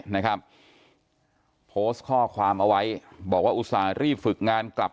นะครับโพสต์ข้อความเอาไว้บอกว่าอุตส่าห์รีบฝึกงานกลับ